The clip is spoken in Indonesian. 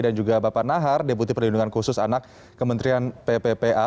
dan juga bapak nahar deputi perlindungan khusus anak kementerian pppa